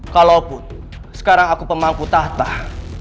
kalaupun sekarang aku pemangku tabah